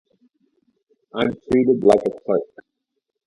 I'm treated like a clerk.